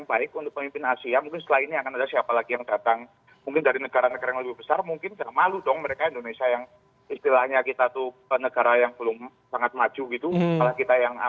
bagaimana presiden jokowi itu menjalankan amanatnya